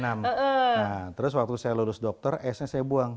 nah terus waktu saya lulus dokter s nya saya buang